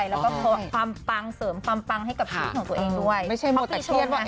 และก็เพราะความปังเสริมความปังให้กับที่ของตัวเองด้วย